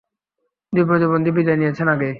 দুই প্রতিদ্বন্দ্বী বিদায় নিয়েছেন আগেই।